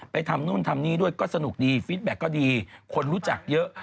ทำนู่นทำนี่ด้วยก็สนุกดีฟิตแบ็คก็ดีคนรู้จักเยอะ